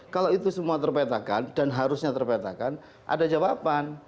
kalau itu semua terpetakan dan harusnya terpetakan ada jawaban